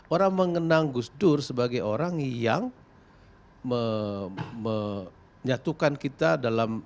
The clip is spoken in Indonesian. orang mengenang gus dur sebagai orang yang menyatukan kita dalam